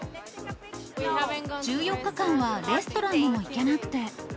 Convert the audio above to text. １４日間はレストランにも行けなくて。